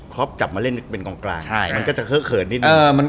ครอบจับมาเล่นเป็นกลางมันก็จะเข้าเขินนิดนึง